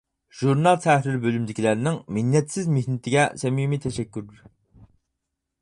ژۇرنال تەھرىر بۆلۈمىدىكىلەرنىڭ مىننەتسىز مېھنىتىگە سەمىمىي تەشەككۈر.